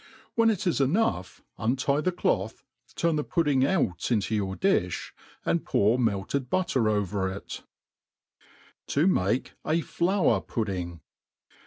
When it is enough, untie the cloth, turn the pud* 'ding out into your difh, and pour melted butter over it* To make a Flour Pudding.